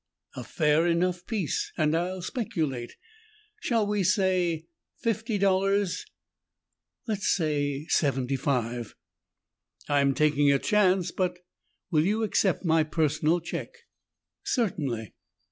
"A fair enough piece and I'll speculate. Shall we say fifty dollars?" "Let's say seventy five?" "I'm taking a chance but Will you accept my personal check?" "Certainly."